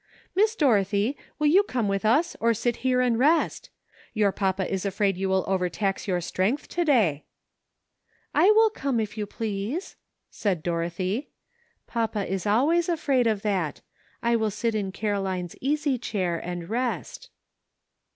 Miss Dorothy, will you come with us or sit here and rest? Your papa is afraid you will overtax your strength to day." *'I will come, if you please," said Dorothy. "Papa is always afraid of that; I will sit in Caroline's easy chair and rest."